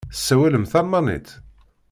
Tessawalem talmanit?